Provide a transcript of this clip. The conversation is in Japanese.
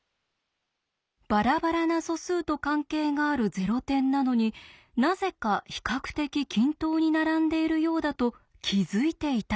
バラバラな素数と関係があるゼロ点なのになぜか比較的均等に並んでいるようだと気付いていたのです。